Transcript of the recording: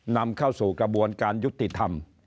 นำเข้าสู่กระบวนการยุติธรรม